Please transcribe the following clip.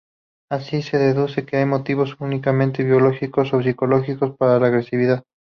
Así se aduce que hay motivos últimamente biológicos o psicológicos para la agresividad.